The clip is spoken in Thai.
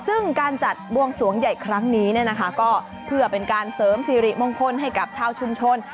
ซึ่งการจัดบวงสวงใหญ่ครั้งนี้เนี่ยนะคะก็เพื่อเป็นการเสริมสิริมงคลให้กับชาวชุมชน